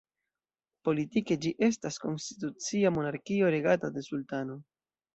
Politike ĝi estas konstitucia monarkio regata de sultano.